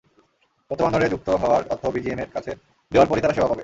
তথ্যভান্ডারে যুক্ত হওয়ার অর্থ বিজিএমইএর কাছে দেওয়ার পরই তারা সেবা পাবে।